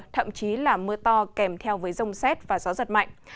thậm chí là mưa to kèm theo với rông xét và gió giật mạnh